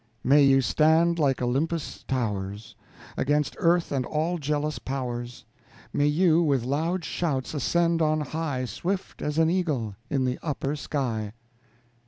May you stand like Olympus' towers, Against earth and all jealous powers! May you, with loud shouts ascend on high Swift as an eagle in the upper sky.